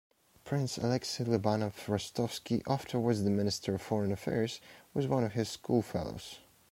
Prince Aleksey Lobanov-Rostovsky, afterwards the Minister Of Foreign Affairs, was one of his schoolfellows.